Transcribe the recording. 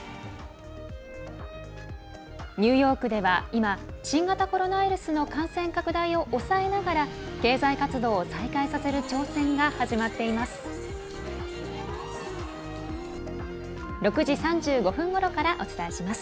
ニューヨークでは今新型コロナウイルスの感染拡大を抑えながら経済活動を再開させる挑戦が始まっています。